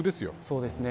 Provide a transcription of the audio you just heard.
そうですね。